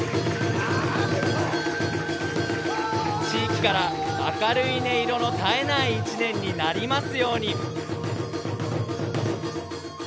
地域から明るい音色の絶えない一年になりますように。